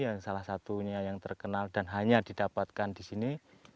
yang salah satunya yang terkenal dan hanya didapatkan di sini